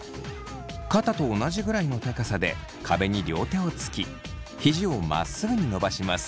肩と同じくらいの高さで壁に両手をつき肘をまっすぐに伸ばします。